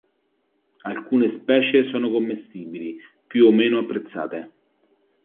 Alcune specie sono commestibili, più o meno apprezzate.